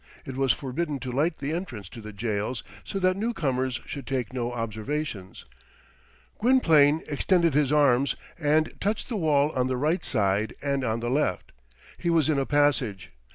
It was forbidden to light the entrance to the jails, so that the newcomers should take no observations. Gwynplaine extended his arms, and touched the wall on the right side and on the left. He was in a passage.